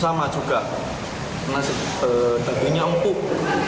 sama juga dagingnya empuk